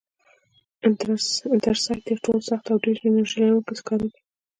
انترسایت تر ټولو سخت او ډېر انرژي لرونکی سکاره دي.